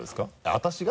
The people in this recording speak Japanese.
私が？